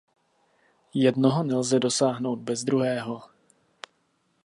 Jednoho nelze dosáhnout bez druhého.